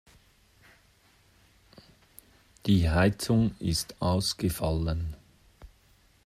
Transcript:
Die Heizung ist ausgefallen.